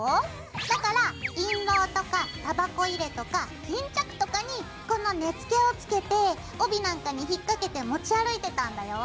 だから印籠とかたばこ入れとか巾着とかにこの根付を付けて帯なんかに引っ掛けて持ち歩いてたんだよ！